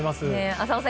浅尾さん